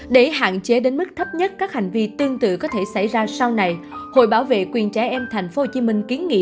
để hạn chế đến mức thấp nhất các hành vi tương tự có thể xảy ra sau này hội bảo vệ quyền trẻ em tp hcm kiến nghị